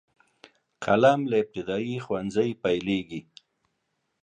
قلم له ابتدايي ښوونځي پیلیږي.